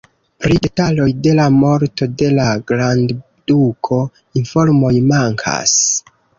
Pri detaloj de la morto de la grandduko informoj mankas.